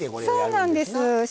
そうなんです。